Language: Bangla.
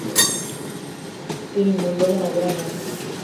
তিনি মূল্যবান অবদান রাখেন।